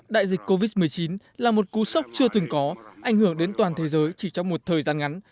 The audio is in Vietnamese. đại dịch covid một mươi chín là một cú sốc chưa từng có ảnh hưởng đến toàn thế giới chỉ trong một thời gian ngắn